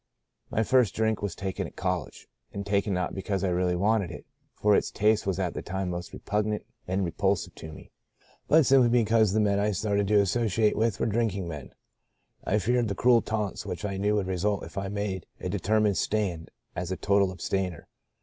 My first drink was taken at college, and taken not because I really wanted it (for its taste was at that time most repugnant and repulsive to me), but simply because the men I started to associate with were drinking men. "I feared the cruel taunts which I knew would result if I made a determined stand as a total abstainer.